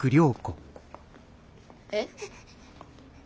えっ。